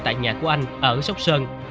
tại nhà của anh ở sóc sơn